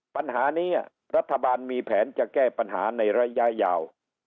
ปัญหานี้รัฐบาลมีแผนจะแก้ปัญหาในระยะยาว